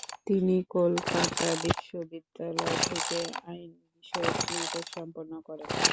তিনি কলকাতা বিশ্ববিদ্যালয় থেকে আইন বিষয়ে স্নাতক সম্পন্ন করেন।